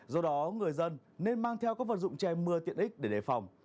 do đó người dân nên mang theo các vật dụng che mưa tiện ích để đề phòng